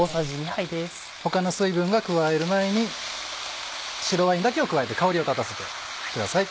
他の水分が加わる前に白ワインだけを加えて香りを立たせてください。